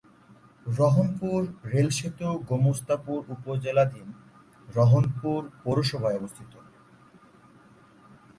রহনপুর রেলসেতু গোমস্তাপুর উপজেলাধীন রহনপুর পৌরসভায় অবস্থিত।